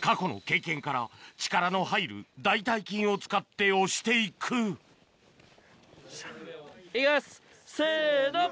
過去の経験から力の入る大腿筋を使って押していく行きますせの。